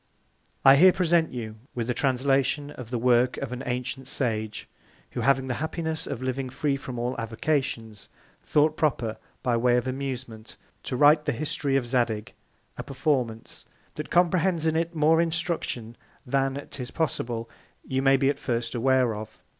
I here present you with a Translation of the Work of an ancient Sage, who having the Happiness of living free from all Avocations, thought proper, by Way of Amusement, to write the History of Zadig; a Performance, that comprehends in it more Instruction than, 'tis possible, you may at first be aware of.